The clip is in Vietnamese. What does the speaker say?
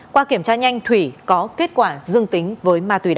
qua kiểm tra nhanh thủy có kết quả dương tính với ma túy đá